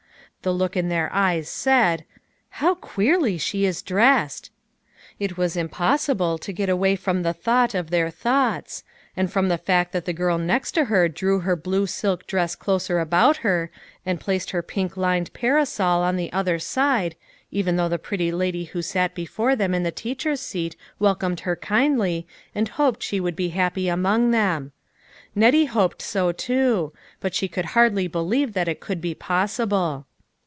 The look in their eyes said, " How queerly she is dressed !" It was impossible to get away from the thought of their thoughts, and from the fact that the girl next to her drew her blue silk dress closer about her, and placed her pink lined parasol on the other side, even though the pretty lady who sat before them in the teacher's seat, welcomed her kindly, and hoped she would be happy among them. Nettie hoped so, too ; but she could hardly believe that it could be possible.